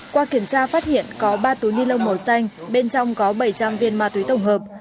qua kiểm tra phát hiện có ba túi ni lông màu xanh bên trong có bảy trăm linh viên ma túy tổng hợp